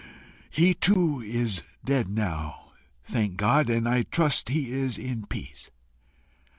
He too is dead now, thank God, and I trust he is in peace.